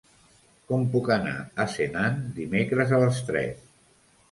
Com puc anar a Senan dimecres a les tres?